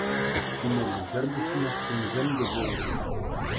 Ҫимеллисӗр пуҫне тумсем те пулӗҫ.